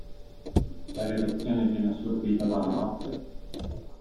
La redazione viene assorbita da "La Notte".